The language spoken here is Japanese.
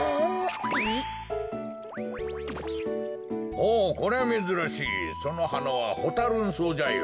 ほうこりゃめずらしいそのはなはホタ・ルン草じゃよ。